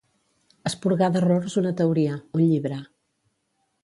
Esporgar d'errors una teoria, un llibre.